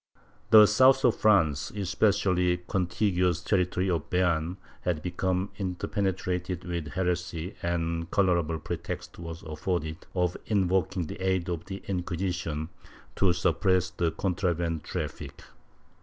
* The south of France, and especially the con tiguous territory of Beam, had become interpenetrated with heresy and a colorable pretext was afforded of invoking the aid of the Inquisition to suppress the contraband traffic.